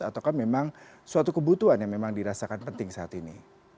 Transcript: ataukah memang suatu kebutuhan yang memang dirasakan penting saat ini